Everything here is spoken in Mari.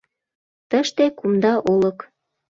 Тыште кумда олык.